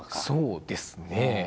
そうですね。